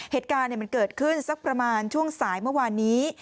เหตุการณ์มันเกิดขึ้นสักประมาณช่วงสายเมื่อวานนี้